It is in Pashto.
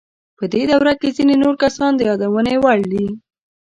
په دې دوره کې ځینې نور کسان د یادونې وړ دي.